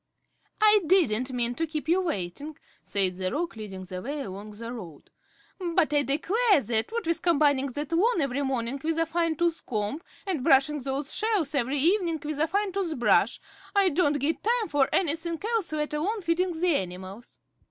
"I didn't mean to keep you waiting," said the Roc, leading the way along the road; "but I declare that, what with combing that lawn every morning with a fine tooth comb, and brushing those shells every evening with a fine tooth brush, I don't get time for anything else let alone feeding the animals."